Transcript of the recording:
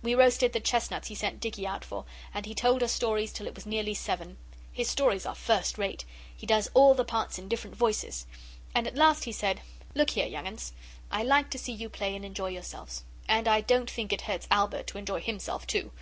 We roasted the chestnuts he sent Dicky out for, and he told us stories till it was nearly seven. His stories are first rate he does all the parts in different voices. At last he said 'Look here, young uns. I like to see you play and enjoy yourselves, and I don't think it hurts Albert to enjoy himself too.